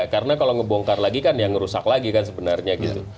karena kalau ngebongkar lagi kan ya ngerusak lagi kan sebenarnya